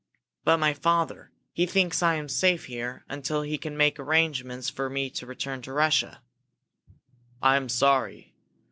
"But my father he thinks that I am safe here until he can make arrangements for me to return to Russia." "I am sorry."